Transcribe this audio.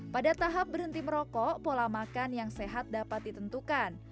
pada tahap berhenti merokok pola makan yang sehat dapat ditentukan